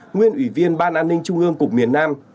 nguyên ủy viên ban an ninh trung ương cục miền nam